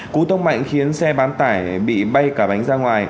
cú tông mạnh khiến xe bán tải bị bay cả bánh ra ngoài